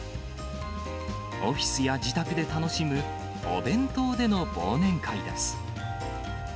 オフィスや自宅で楽しむお弁当での忘年会です。